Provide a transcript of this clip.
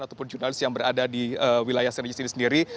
ataupun jurnalis yang berada di wilayah senjata jisili sendiri